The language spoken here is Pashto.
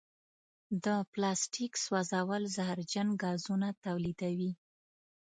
د پلاسټیک سوځول زهرجن ګازونه تولیدوي.